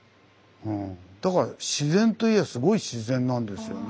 だから自然といやぁすごい自然なんですよね。